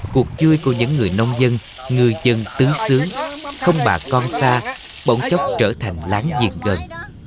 cuộc chơi của những người nông dân ngư dân tứ xướng không bà con xa bỗng chốc trở thành láng giềng gần